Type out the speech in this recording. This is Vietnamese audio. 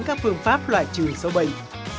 các phương pháp loại trừ sâu bệnh